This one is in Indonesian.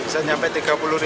sampai tiga puluh ribu